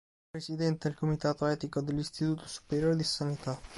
È Presidente del comitato etico dell'Istituto Superiore di Sanità.